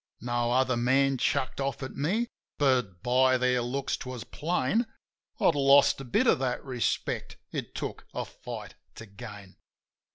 No other man chucked off at me, but by their looks 'twas plain I'd lost a bit of that respect it took a fight to gain.